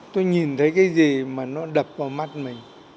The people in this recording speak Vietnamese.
tôi nhìn thấy cái gì mà nó đập vào mắt mình